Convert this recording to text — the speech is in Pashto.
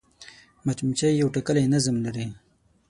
مچمچۍ یو ټاکلی نظم لري